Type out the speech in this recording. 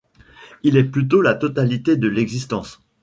Il est plutôt la totalité de l'existence.